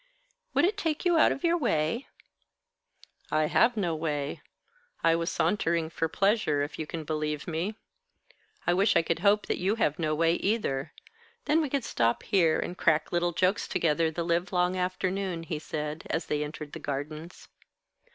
Would it take you out of your way?" "I have no way. I was sauntering for pleasure, if you can believe me. I wish I could hope that you have no way either. Then we could stop here, and crack little jokes together the livelong afternoon," he said, as they entered the Gardens.